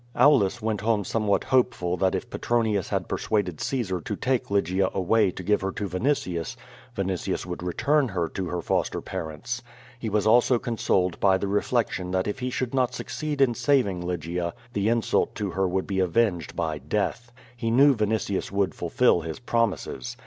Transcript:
Aulus went home somewhat hopeful that if Petronius hail persuaded Caesar to take Lygia away to give her to Vinitius, Vinitius would return her to her foster parents. He was also consoled by the reflection that if he should not succeed in saving Lygia the insult to hor wouhl be avenged by death. He knew Vinitius would fulfill his promises.